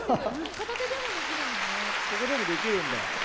片手でもできるんだ。